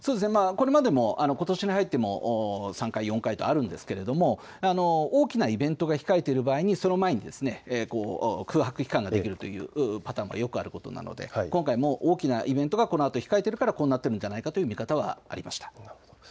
これまでもことしに入っても３回、４回とあるんですが大きなイベントが控えている場合に、その前に空白期間ができるというパターンもよくあることなので今回も大きなイベントがこのあと控えているから、こうなっているのではないかという見方はありました。